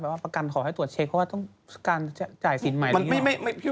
แปลว่าประกันขอให้ตรวจเช็คเพราะว่าต้องการจ่ายสินใหม่หรืออย่างนี้หรอ